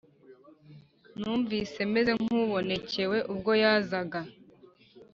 Numvise meze nkubonecyewe ubwo yazaga